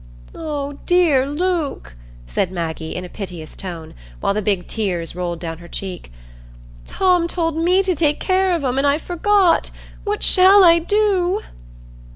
"Oh dear, Luke," said Maggie, in a piteous tone, while the big tears rolled down her cheek; "Tom told me to take care of 'em, and I forgot. What shall I do?"